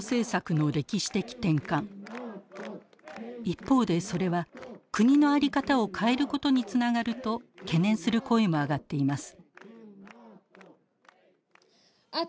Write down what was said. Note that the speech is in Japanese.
一方でそれは国のあり方を変えることにつながると懸念する声も上がっています。